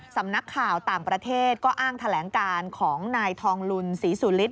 สำนักข่าวต่างประเทศก็อ้างแถลงการของนายทองลุนศรีสุฤทธ